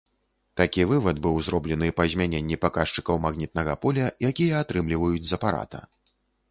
Такі вывад быў зроблены па змяненні паказчыкаў магнітнага поля, якія атрымліваюць з апарата.